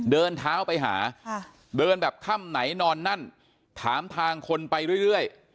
เดินเท้าไปหาเดินแบบค่ำไหนนอนนั่นถามทางคนไปเรื่อย